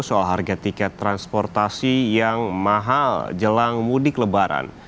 soal harga tiket transportasi yang mahal jelang mudik lebaran